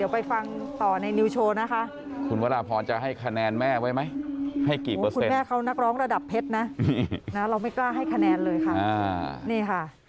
ภายใจเยอะมากให้อุ่นขอบคุณแม่โอ้โหดี